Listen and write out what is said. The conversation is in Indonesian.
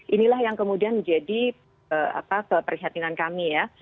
inilah yang kemudian menjadi keprihatinan kami ya